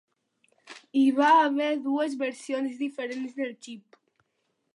Hi va haver dues versions diferents del xip.